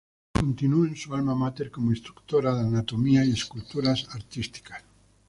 Continuó en su alma mater como instructora de anatomía y escultura artísticas.